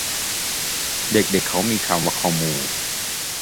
เด็กเด็กเค้ามีคำว่าคอมมู